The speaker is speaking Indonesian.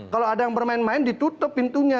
kalau ada yang bermain main ditutup pintunya